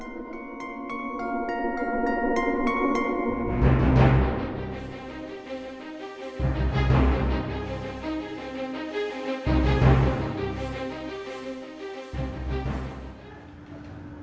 kalau melihat mas bram sedih seperti itu